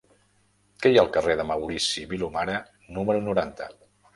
Què hi ha al carrer de Maurici Vilomara número noranta?